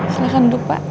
silahkan dulu pak